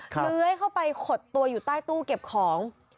เลื้อยเข้าไปขดตัวอยู่ใต้ตู้เก็บของ